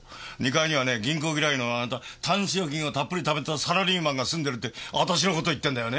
２階にはね銀行嫌いのあなたタンス預金をたっぷり貯めたサラリーマンが住んでるって私の事言ってんだよね。